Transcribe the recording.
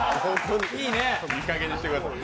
いいかげんにしてください。